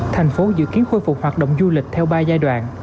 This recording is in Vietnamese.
thành phố dự kiến khôi phục hoạt động du lịch theo ba giai đoạn